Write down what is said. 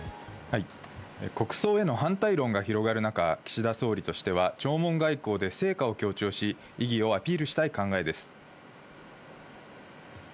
国葬への反対論が広がる中、岸田総理としては弔問外交で成果を強調し、意義をアピールしたい考えです。